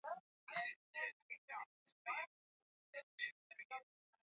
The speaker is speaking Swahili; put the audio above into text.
Fungua tu moyo wako